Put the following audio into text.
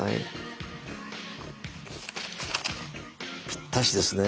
ぴったしですね。